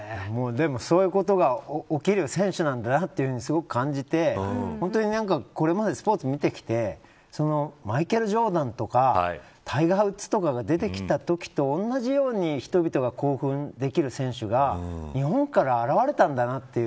でもそういうことが起きる選手なんだなとすごく感じてこれまでスポーツ見てきてマイケル・ジョーダンとかタイガー・ウッズとかが出てきたときと同じように人々が興奮できる選手が日本から現れたんだなっていう。